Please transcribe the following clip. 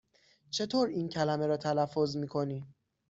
چطور این کلمه را تلفظ می کنی؟